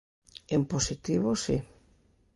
En positivo, si.